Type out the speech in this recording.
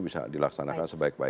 kita dilaksanakan sebaik baik